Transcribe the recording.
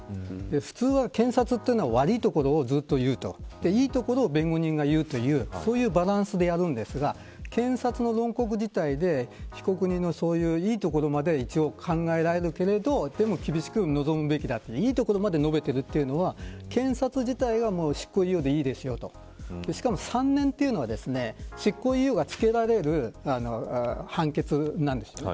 普通は検察というのは悪いところをずっと言うといういいところを弁護人が言うというそういうバランスでやるんですが検察の論告自体で被告人のいいところまで一応、考えられるけれどでも厳しく臨むべきだといいところまで述べてるというのは検察自体が執行猶予でいいですよとしかも３年程度の執行猶予がつけられる判決なんですよね。